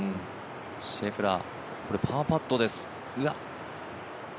シェフラーこれ、パーパットです。